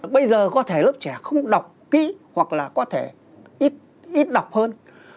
bây giờ có thể lớp trẻ không đọc kỹ hoặc là có thể ít đọc hơn